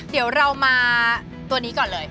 เดี๋ยวเรามาตัวนี้ก่อนเลย